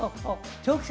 長期戦！